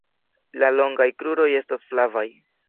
La longaj kruroj estas flavaj.